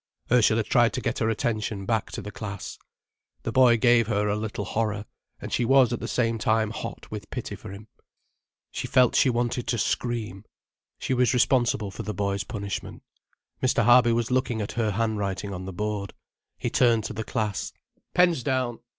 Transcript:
Ursula tried to get her attention back to the class. The boy gave her a little horror, and she was at the same time hot with pity for him. She felt she wanted to scream. She was responsible for the boy's punishment. Mr. Harby was looking at her handwriting on the board. He turned to the class. "Pens down."